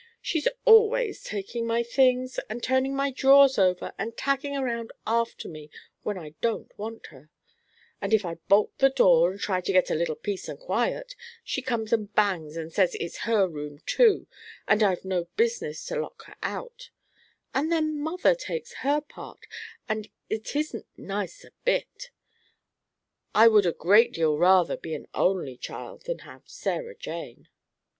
She's always taking my things, and turning my drawers over, and tagging round after me when I don't want her; and if I bolt the door, and try to get a little peace and quiet, she comes and bangs, and says it's her room too, and I've no business to lock her out; and then mother takes her part, and it isn't nice a bit. I would a great deal rather be an only child than have Sarah Jane."